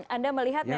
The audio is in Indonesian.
anda melihat memang